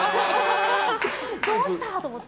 どうした？と思って。